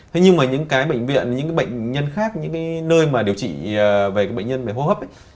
thế nhưng mà những cái bệnh viện những cái bệnh nhân khác những cái nơi mà điều trị về cái bệnh nhân về hô hấp ấy